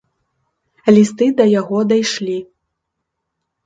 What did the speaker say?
Лісты да яго дайшлі.